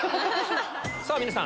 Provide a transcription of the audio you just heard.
さぁ皆さん